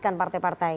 terima kasih pak jokowi